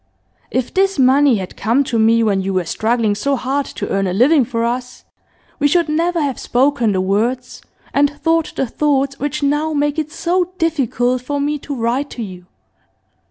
'If this money had come to me when you were struggling so hard to earn a living for us, we should never have spoken the words and thought the thoughts which now make it so difficult for me to write to you.